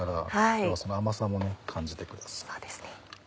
今日はその甘さも感じてください。